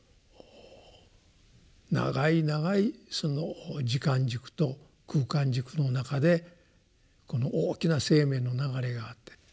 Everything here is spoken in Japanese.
長い長いその時間軸と空間軸の中でこの大きな生命の流れがあって。